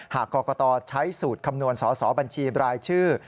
หากกรกตใช้สูตรคำนวณสอสอบัญชีบรายชื่อ